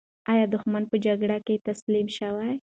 ایا دښمن په جګړه کې تسلیم شو؟